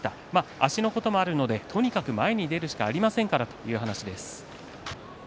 足のこともあるのでとにかく前に出るしかありませんからという話です。